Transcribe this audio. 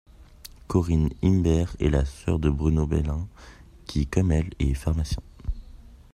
Corinne Imbert est la sœur de Bruno Belin, qui comme elle, est pharmacien.